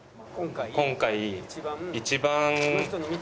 「今回」。